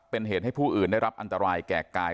เป็นเหตุให้ผู้อื่นได้รับอันตรายแก่กาย